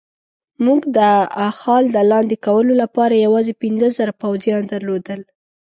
موږ د اخال د لاندې کولو لپاره یوازې پنځه زره پوځیان درلودل.